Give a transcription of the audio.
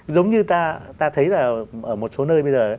giống như ta thấy là ở một số nơi bây giờ